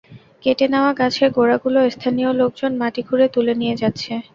কেটে নেওয়া গাছের গোড়াগুলো স্থানীয় লোকজন মাটি খুঁড়ে তুলে নিয়ে যাচ্ছে।